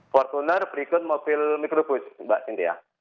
fortuner berikut mobil mikrobus mbak cynthia